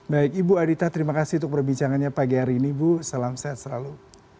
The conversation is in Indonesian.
baik ibu adita terima kasih untuk perbincangannya pagi hari ini bu salam sehat selalu